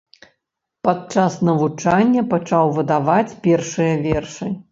Падчас навучання пачаў выдаваць першыя вершы.